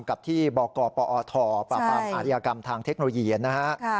กับที่บกปอทปราบปรามอาธิกรรมทางเทคโนโลยีนะฮะ